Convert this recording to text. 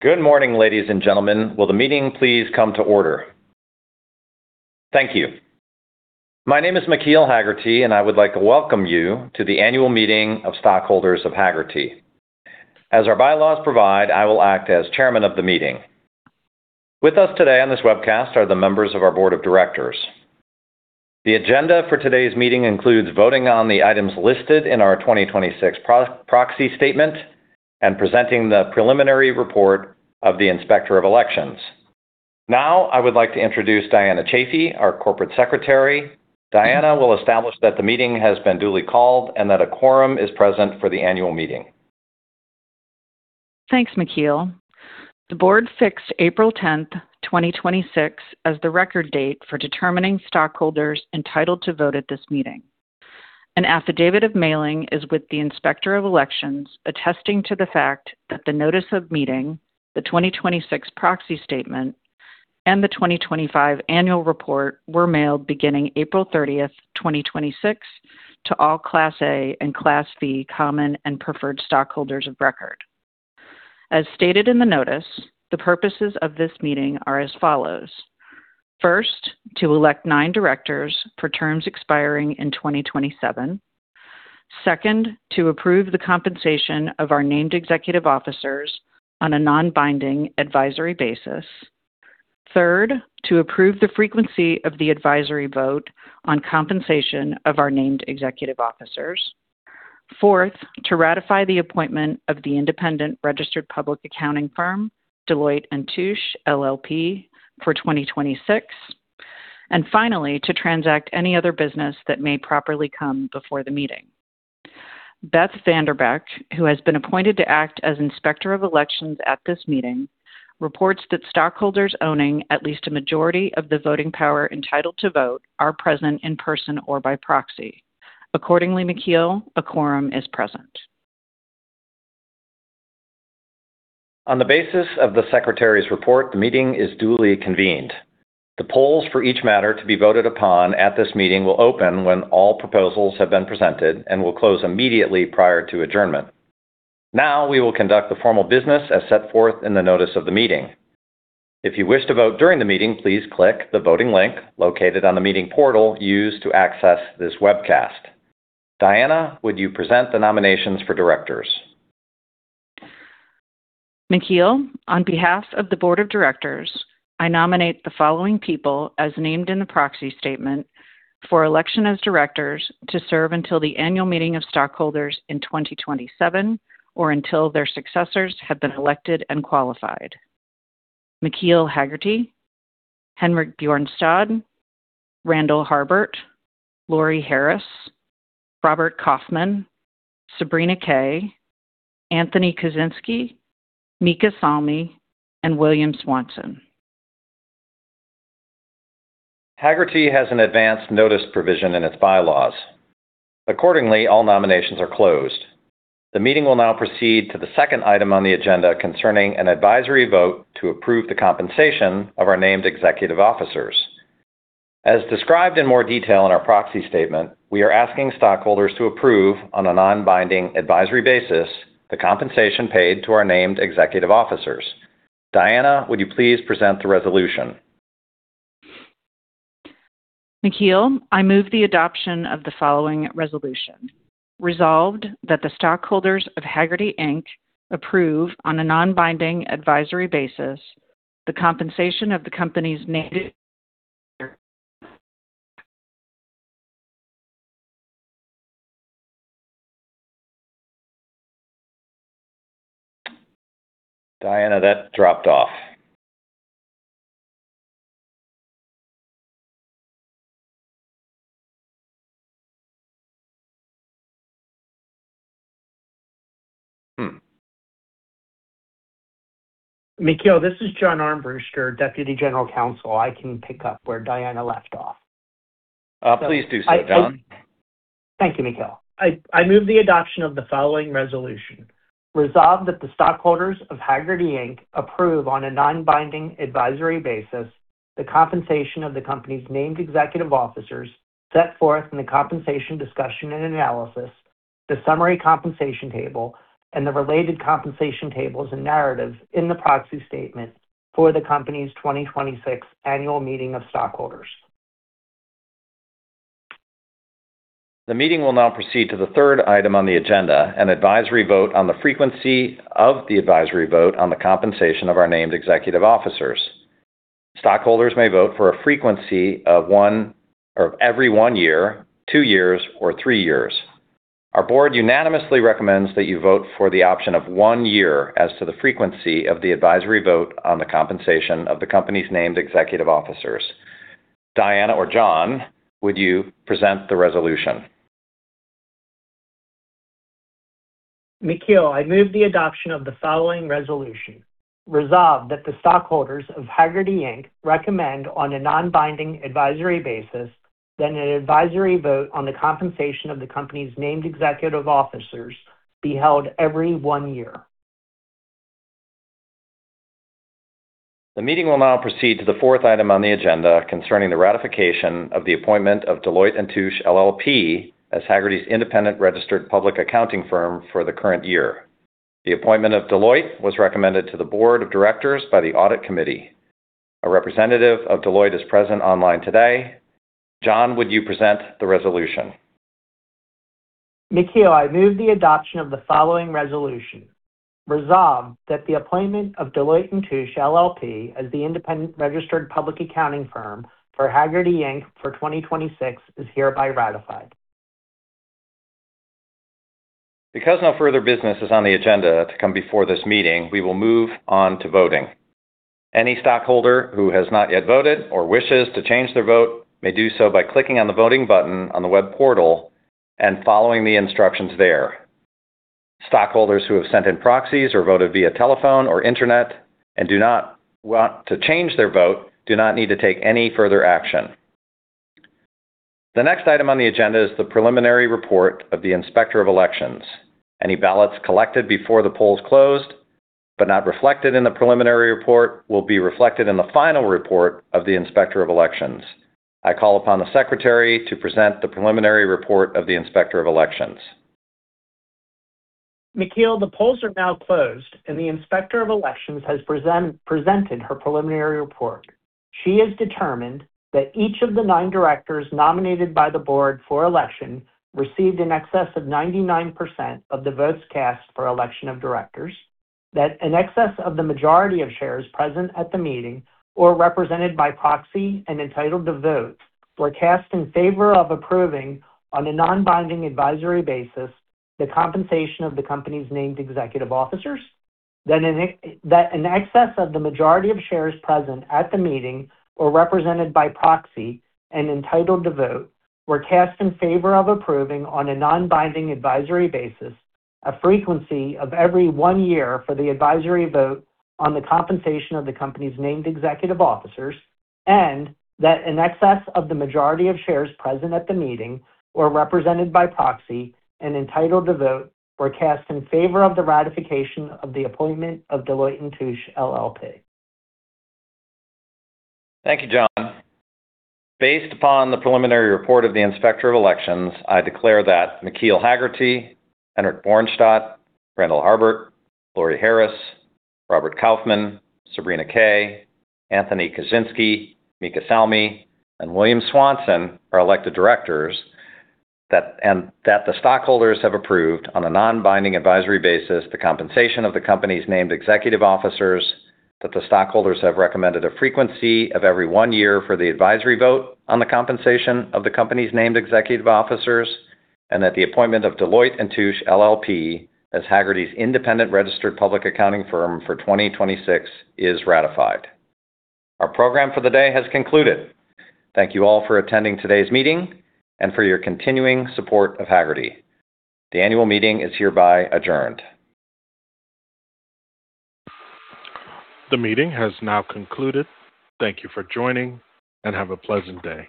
Good morning, ladies and gentlemen. Will the meeting please come to order? Thank you. My name is McKeel Hagerty. I would like to welcome you to the Annual Meeting of Stockholders of Hagerty. As our bylaws provide, I will act as Chairman of the meeting. With us today on this webcast are the members of our Board of Directors. The agenda for today's meeting includes voting on the items listed in our 2026 proxy statement and presenting the preliminary report of the Inspector of Elections. Now, I would like to introduce Diana Chafey, our Corporate Secretary. Diana will establish that the meeting has been duly called and that a quorum is present for the annual meeting. Thanks, McKeel. The Board fixed April 10, 2026 as the record date for determining stockholders entitled to vote at this meeting. An affidavit of mailing is with the Inspector of Elections attesting to the fact that the notice of meeting, the 2026 proxy statement, and the 2025 annual report were mailed beginning April 30, 2026 to all Class A and Class V common and preferred stockholders of record. As stated in the notice, the purposes of this meeting are as follows. First, to elect nine directors for terms expiring in 2027. Second, to approve the compensation of our named executive officers on a non-binding advisory basis. Third, to approve the frequency of the advisory vote on compensation of our named executive officers. Fourth, to ratify the appointment of the independent registered public accounting firm, Deloitte & Touche LLP for 2026. Finally, to transact any other business that may properly come before the meeting. Beth Vanderbeck, who has been appointed to act as Inspector of Elections at this meeting, reports that stockholders owning at least a majority of the voting power entitled to vote are present in person or by proxy. Accordingly, McKeel, a quorum is present. On the basis of the Secretary's report, the meeting is duly convened. The polls for each matter to be voted upon at this meeting will open when all proposals have been presented and will close immediately prior to adjournment. Now, We will conduct the formal business as set forth in the notice of the meeting. If you wish to vote during the meeting, please click the voting link located on the meeting portal used to access this webcast. Diana, would you present the nominations for directors? McKeel, on behalf of the board of directors, I nominate the following people as named in the proxy statement for election as directors to serve until the annual meeting of stockholders in 2027 or until their successors have been elected and qualified. McKeel Hagerty, Henrik Bjørnstad, Randall Harbert, Laurie Harris, Robert Kauffman, Sabrina Kay, Anthony Kuczinski, Mika Salmi, and William Swanson. Hagerty has an advanced notice provision in its bylaws. Accordingly, all nominations are closed. The meeting will now proceed to the second item on the agenda concerning an advisory vote to approve the compensation of our named executive officers. As described in more detail in our proxy statement, we are asking stockholders to approve on a non-binding advisory basis the compensation paid to our named executive officers. Diana, would you please present the resolution? McKeel, I move the adoption of the following resolution. Resolved that the stockholders of Hagerty, Inc. approve on a non-binding advisory basis the compensation of the company's named- Diana, that dropped off. Hmm. McKeel, this is John Armbruster, Deputy General Counsel. I can pick up where Diana left off. Please do so, John. Thank you, McKeel. I move the adoption of the following resolution. Resolved that the stockholders of Hagerty, Inc. approve on a non-binding advisory basis the compensation of the company's named executive officers set forth in the compensation discussion and analysis, the summary compensation table, and the related compensation tables and narratives in the proxy statement for the company's 2026 annual meeting of stockholders. The meeting will now proceed to the third item on the agenda, an advisory vote on the frequency of the advisory vote on the compensation of our named executive officers. Stockholders may vote for a frequency of every one year, two years, or three years. Our board unanimously recommends that you vote for the option of one year as to the frequency of the advisory vote on the compensation of the company's named executive officers. Diana or John, would you present the resolution? McKeel, I move the adoption of the following resolution. Resolved that the stockholders of Hagerty, Inc. recommend on a non-binding advisory basis that an advisory vote on the compensation of the company's named executive officers be held every one year. The meeting will now proceed to the fourth item on the agenda concerning the ratification of the appointment of Deloitte & Touche LLP as Hagerty's independent registered public accounting firm for the current year. The appointment of Deloitte was recommended to the board of directors by the audit committee. A representative of Deloitte is present online today. John, would you present the resolution? McKeel, I move the adoption of the following resolution. Resolved that the appointment of Deloitte & Touche LLP as the independent registered public accounting firm for Hagerty, Inc. for 2026 is hereby ratified. Because no further business is on the agenda to come before this meeting, we will move on to voting. Any stockholder who has not yet voted or wishes to change their vote may do so by clicking on the voting button on the web portal and following the instructions there. Stockholders who have sent in proxies or voted via telephone or internet and do not want to change their vote do not need to take any further action. The next item on the agenda is the preliminary report of the Inspector of Elections. Any ballots collected before the polls closed, but not reflected in the preliminary report will be reflected in the final report of the Inspector of Elections. I call upon the Secretary to present the preliminary report of the Inspector of Elections. McKeel, the polls are now closed, and the Inspector of Elections has presented her preliminary report. She has determined that each of the nine directors nominated by the board for election received in excess of 99% of the votes cast for election of directors, that an excess of the majority of shares present at the meeting or represented by proxy and entitled to vote were cast in favor of approving on a non-binding advisory basis the compensation of the company's named executive officers, that an excess of the majority of shares present at the meeting or represented by proxy and entitled to vote were cast in favor of approving on a non-binding advisory basis a frequency of every one year for the advisory vote on the compensation of the company's named executive officers, and that an excess of the majority of shares present at the meeting or represented by proxy and entitled to vote were cast in favor of the ratification of the appointment of Deloitte & Touche LLP. Thank you, John. Based upon the preliminary report of the Inspector of Elections, I declare that McKeel Hagerty, Henrik Bjørnstad, Randall Harbert, Laurie Harris, Robert Kauffman, Sabrina Kay, Anthony Kuczinski, Mika Salmi, and William Swanson are elected directors, that the stockholders have approved on a non-binding advisory basis the compensation of the company's named executive officers, that the stockholders have recommended a frequency of every one year for the advisory vote on the compensation of the company's named executive officers, and that the appointment of Deloitte & Touche LLP as Hagerty's independent registered public accounting firm for 2026 is ratified. Our program for the day has concluded. Thank you all for attending today's meeting and for your continuing support of Hagerty. The annual meeting is hereby adjourned. The meeting has now concluded. Thank you for joining, and have a pleasant day.